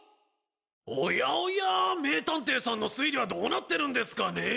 おやおや名探偵さんの推理はどうなってるんですかねえ？